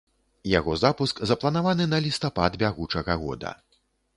Яго запуск запланаваны на лістапад бягучага года.